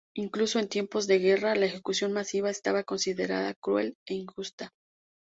Incluso en tiempos de guerra, la ejecución masiva estaba considerada cruel e injusta.